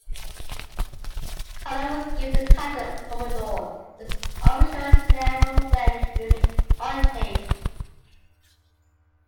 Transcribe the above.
Conner was given the title Commodore, but his official naval rank remained unchanged.